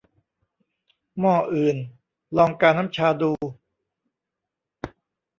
หม้ออื่น ! ลองกาน้ำชาดู